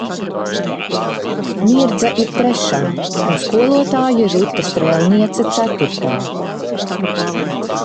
Mirdza ir trešā un skolotāja Ruta Strēlniece ceturtā.